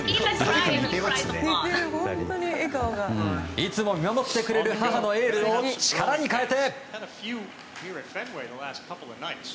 いつも見守ってくれる母のエールを力に変えて。